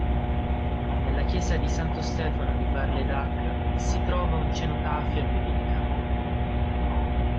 Nella chiesa di San Stefano di Bar-le-Duc si trova un cenotafio a lui dedicato.